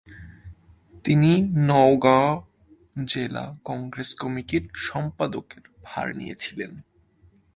তিনি নগাঁও জেলা কংগ্রেস কমিটির সম্পাদকের ভার নিয়েছিলেন।